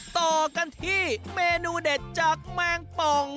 ต่อกันที่เมนูเด็ดจากแมงป่อง